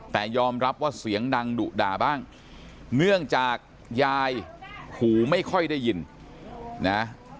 แต่ยอมรับว่าเสียงดังดุด่าบ้างเนื่องจากยายหูไม่ค่อยได้ยินนะ